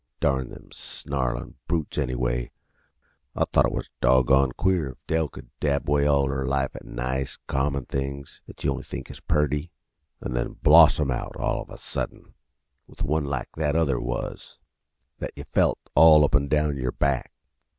"Darn them snarlin' brutes, anyway! I thought it was doggone queer if Dell could dab away all her life at nice, common things that you only think is purty, an' then blossom out, all of a sudden, with one like that other was that yuh felt all up an' down yer back.